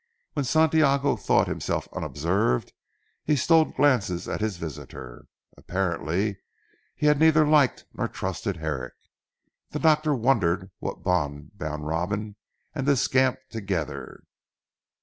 When Santiago thought himself unobserved he stole glances at his visitor. Apparently he neither liked nor trusted Herrick. The doctor wondered what bond bound Robin and this scamp together.